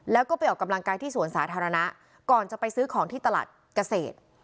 แล้วก็ไปออกกำลังกายที่สวนสาธารณะก่อนจะไปซื้อของที่ตลาดเกษตร